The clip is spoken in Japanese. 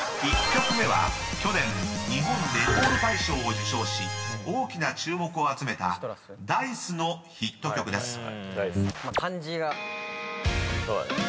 ［１曲目は去年日本レコード大賞を受賞し大きな注目を集めたＤａ−ｉＣＥのヒット曲です］